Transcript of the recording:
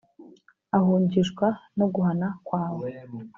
Ahungishwa no guhana kwawe